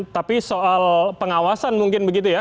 tapi soal pengawasan mungkin begitu ya